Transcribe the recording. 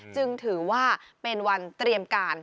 จึงถือว่าเป็นวันเตรียมการ